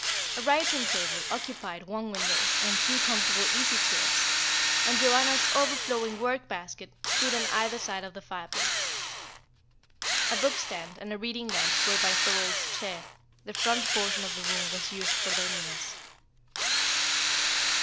A writing table occupied one window, and two comfortable easy chairs, and Joanna's overflowing work basket, stood on either side of the fireplace. A book stand and a reading lamp were by Thorold's chair; the front portion of the room was used for their meals.